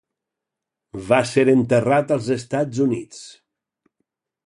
Va ser enterrat als Estats Units.